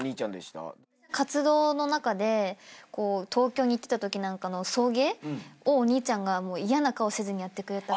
活動の中で東京に来たときなんかの送迎をお兄ちゃんが嫌な顔せずにやってくれた。